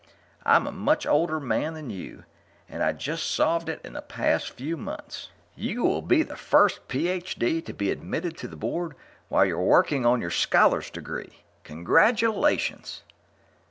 I'm a much older man than you, and I just solved it in the past few months. "You will be the first Ph.D. to be admitted to the Board while you're working on your scholar's degree. Congratulations."